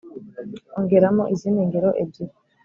ongeramo izindi ngero ebyiri